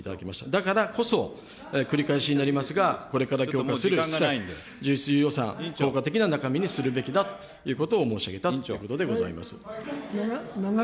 だからこそ、繰り返しになりますが、これから、純粋予算、効果的な中身にするべきだと申し上げたということでございます。